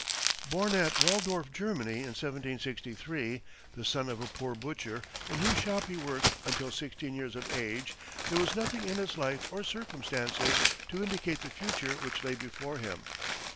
Born at Waldorf, Germany, in 1763, the son of a poor butcher in whose shop he worked until sixteen years of age, there was nothing in his life or circumstances to indicate the future which lay before him.